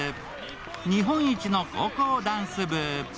日本一の高校ダンス部